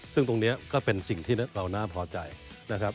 ซึ่งตรงนี้ก็เป็นสิ่งที่เราน่าพอใจนะครับ